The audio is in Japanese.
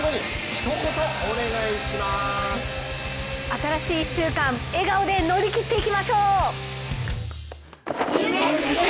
新しい１週間笑顔で乗り切っていきましょう！